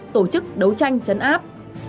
tổ chức đấu tranh chấn áp